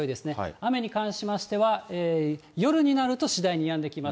雨に関しましては、夜になると次第にやんできます。